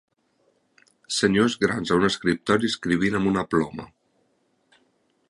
Senyors grans a un escriptori escrivint amb una ploma.